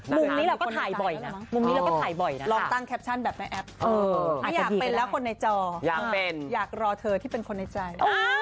มุมนี้เราก็ถ่ายบ่อยนะลองตั้งแคปชั่นแบบแม่แอปอยากเป็นแล้วคนในจออยากรอเธอที่เป็นคนในใจ